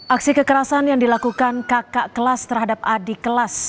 aksi kekerasan yang dilakukan kakak kelas terhadap adik kelas